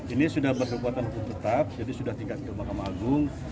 ini sudah berkekuatan hukum tetap jadi sudah tingkat ke mahkamah agung